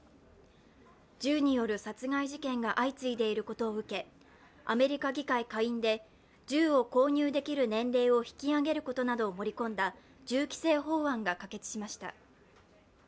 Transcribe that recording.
銃による殺害事件が相次いでいることを受けアメリカ議会下院で銃を購入できる年齢を引き上げることなどを盛り込んだ銃規制法案が可決しました。